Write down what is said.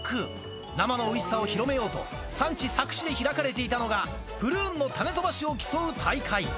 生のおいしさを広めようと、産地、佐久市で開かれていたのが、プルーンの種飛ばしを競う大会。